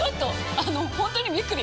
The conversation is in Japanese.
あの本当にびっくり！